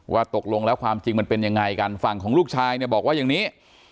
ตกลงแล้วความจริงมันเป็นยังไงกันฝั่งของลูกชายเนี่ยบอกว่าอย่างนี้